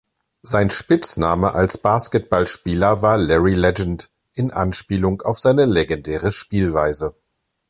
Sein Spitzname als Basketballspieler war „Larry Legend“, in Anspielung auf seine legendäre Spielweise.